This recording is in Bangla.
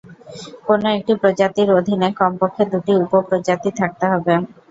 কোন একটি প্রজাতির অধীনে কমপক্ষে দু'টি উপপ্রজাতি থাকতে হবে।